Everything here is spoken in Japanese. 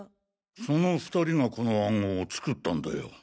その２人がこの暗号を作ったんだよ。